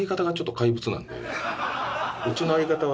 「うちの相方は」